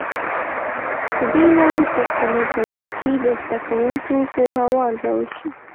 د دې لاندې پوښتنو په لړ کې د زده کوونکو پوهه وارزول شي.